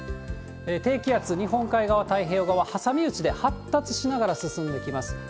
低気圧、日本海側、太平洋側、挟み撃ちで発達しながら進んできます。